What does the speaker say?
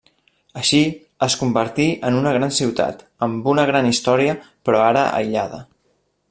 Així, es convertí en una gran ciutat amb una gran història però ara aïllada.